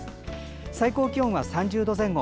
最高気温は３０度前後。